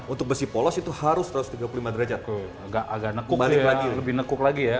untuk besi polos itu harus satu ratus tiga puluh lima derajat agak nekuk balik lagi lebih nekuk lagi ya